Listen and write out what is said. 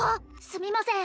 すみません